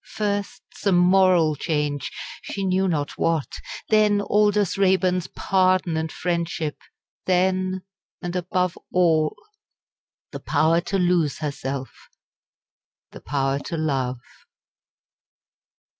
First some moral change, she knew not what then Aldous Raeburn's pardon and friendship then and above all, the power to lose herself the power to love.